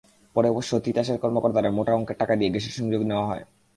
পরে অবশ্য তিতাসের কর্মকর্তাদের মোটা অঙ্কের টাকা দিয়ে গ্যাসের সংযোগ নেওয়া হয়।